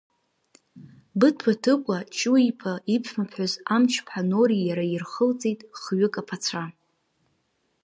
Быҭәба Тыкәа Ҷуи-иԥа иԥшәмаԥҳәыс Амҷ-ԥҳа Нореи иареи ирхылҵит хҩык аԥацәа…